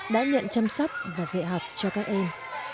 đã nhận chăm sóc và dạy học cho các em